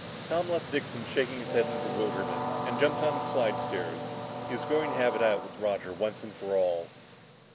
Tom left Dixon shaking his head in bewilderment and jumped on the slidestairs. He was going to have it out with Roger once and for all.